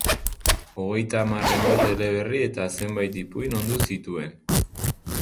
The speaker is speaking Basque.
Hogeita hamarren bat eleberri eta zenbait ipuin ondu zituen.